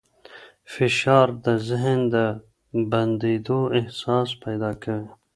فشار د ذهن د بندېدو احساس پیدا کوي.